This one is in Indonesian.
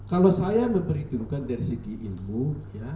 kalau saya memperhitungkan dari segi ilmu ya